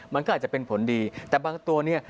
มันก็อาจจะเป็นผลดีแต่บางตัวเนี่ย